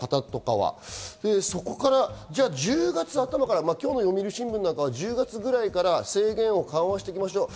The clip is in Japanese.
そこから１０月頭から今日の読売新聞なんかからは、制限を緩和していきましょう。